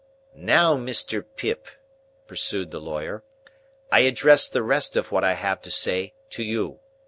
"Now, Mr. Pip," pursued the lawyer, "I address the rest of what I have to say, to you.